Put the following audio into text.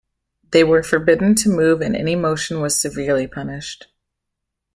They were forbidden to move and any motion was severely punished.